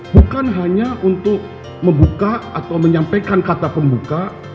bukan hanya untuk membuka atau menyampaikan kata pembuka